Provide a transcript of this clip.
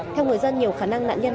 theo người dân nhiều khả năng nạn nhân